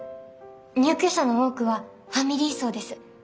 入居者の多くはファミリー層です。